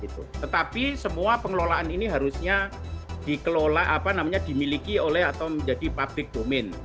tetapi semua pengelolaan ini harusnya dikelola dimiliki oleh atau menjadi public domain